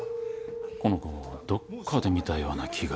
この子どっかで見たような気が。